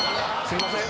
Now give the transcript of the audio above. すいません。